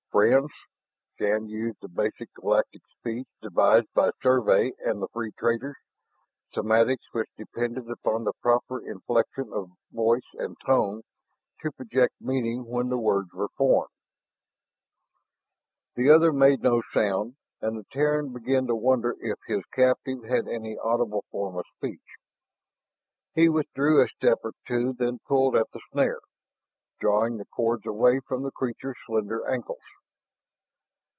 "Friends?" Shann used the basic galactic speech devised by Survey and the Free Traders, semantics which depended upon the proper inflection of voice and tone to project meaning when the words were foreign. The other made no sound, and the Terran began to wonder if his captive had any audible form of speech. He withdrew a step or two then pulled at the snare, drawing the cords away from the creature's slender ankles.